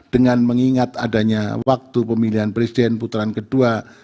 dengan mengingat adanya waktu pemilihan presiden putaran kedua